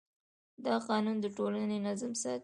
دا قانون د ټولنې نظم ساتي.